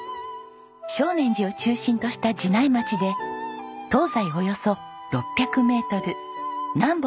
稱念寺を中心とした寺内町で東西およそ６００メートル南北